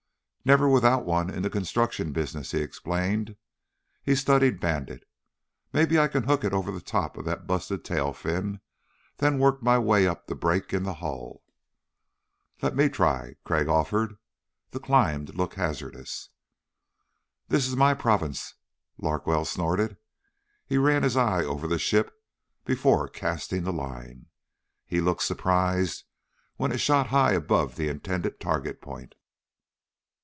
"Never without one in the construction business," he explained. He studied Bandit. "Maybe I can hook it over the top of that busted tail fin, then work my way up the break in the hull." "Let me try," Crag offered. The climb looked hazardous. "This is my province." Larkwell snorted. He ran his eye over the ship before casting the line. He looked surprised when it shot high above the intended target point.